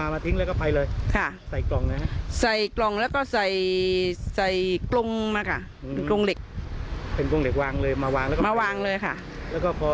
มามาทิ้งแล้วก็ไปเลยค่ะใส่กล่องเลยฮะใส่กล่องแล้วก็ใส่ใส่กรงมาค่ะเป็นกรงเหล็กเป็นกรงเหล็กวางเลยมาวางแล้วก็มาวางเลยค่ะแล้วก็พอ